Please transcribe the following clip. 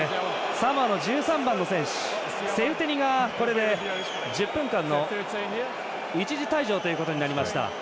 サモアの１３番の選手セウテニがこれで１分間の一時退場ということになりました。